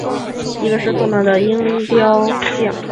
一个失纵了的昴贵鹰雕像。